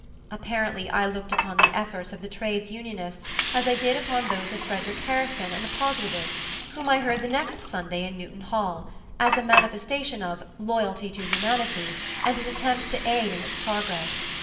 Apparently I looked upon the efforts of the trades unionists as I did upon those of Frederic Harrison and the Positivists whom I heard the next Sunday in Newton Hall, as a manifestation of "loyalty to humanity" and an attempt to aid in its progress.